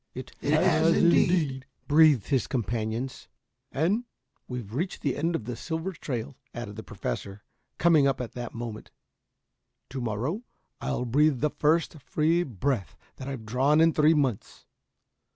"It has indeed," breathed his companions "And we've reached the end of The Silver Trail," added the Professor, coming up at that moment. "To morrow I'll breathe the first free breath that I've drawn in three months."